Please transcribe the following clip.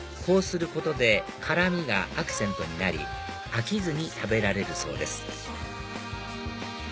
こうすることで辛みがアクセントになり飽きずに食べられるそうです